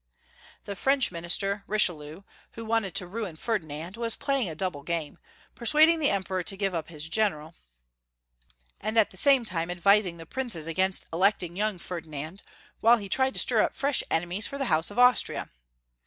The French minister Richelieu, who wanted to ruin Ferdinand, was playing a double game, per suading the Emperor to give up liis general, and at the same time advising the princes against electing young Ferdinand, wliile he tried to stir up fresh enemies for the House of Austria.